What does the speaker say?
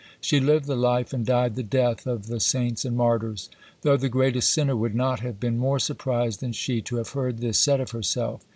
She lived the life, and died the death, of the saints and martyrs; though the greatest sinner would not have been more surprised than she to have heard this said of herself.